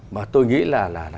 mà tôi nghĩ là